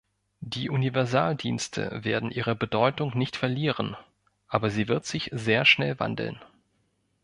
Die Universaldienste werden ihre Bedeutung nicht verlieren, aber sie wird sich sehr schnell wandeln.